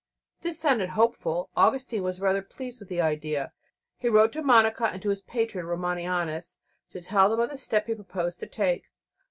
This sounded hopeful; Augustine was rather pleased with the idea. He wrote to Monica and to his patron Romanianus to tell them of the step he proposed to take.